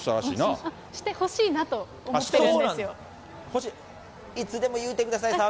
してほしいなと思ってるんでいつでも言うてください、澤